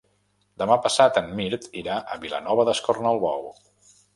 Demà passat en Mirt irà a Vilanova d'Escornalbou.